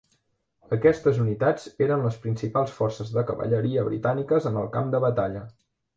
Aquestes unitats eren les principals forces de cavalleria britàniques en el camp de batalla.